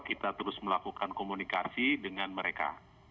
kita terus melakukan komunikasi dengan mereka